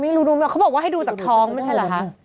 ไม่รู้เขาบอกว่าให้ดูจากท้องไม่ใช่หรือคะ